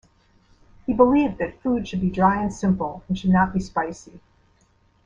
He believed that food should be dry and simple and should not be spicy.